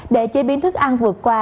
để chế biến thức ăn vừa qua